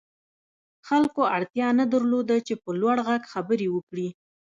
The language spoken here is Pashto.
خلکو اړتيا نه درلوده چې په لوړ غږ خبرې وکړي.